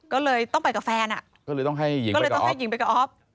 ก็เลยต้องไปกับแฟนอ่ะก็เลยต้องให้หญิงไปกับอ๊อฟ